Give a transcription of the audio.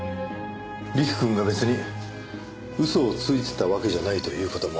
吏玖くんが別に嘘をついてたわけじゃないという事も。